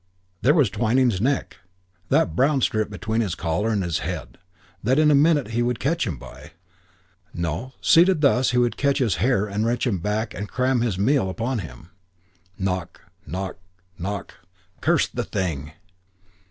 There was Twyning's neck, that brown strip between his collar and his head, that in a minute he would catch him by.... No, seated thus he would catch his hair and wrench him back and cram his meal upon him. Knock, knock, knock. Curse the thing!